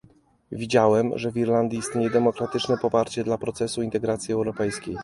Widziałem, że Irlandii istnieje demokratyczne poparcie dla procesu integracji europejskiej